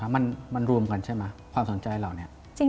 มันรวมกันใช่ไหมความสนใจเหล่านี้